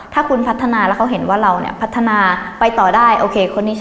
ถ้าคุณพัฒนาแล้วเขาเห็นว่าเราเนี่ย